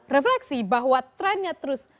refleksi bahwa trennya terus